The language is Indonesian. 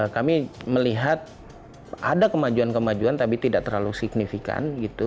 kami melihat ada kemajuan kemajuan tapi tidak terlalu signifikan gitu